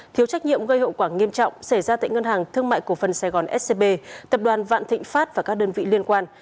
thiếu trách nhiệm gây hậu quả nghiêm trọng xảy ra tại ngân hàng thương mại cổ phần sài gòn scb tập đoàn vạn thịnh pháp và các đơn vị liên quan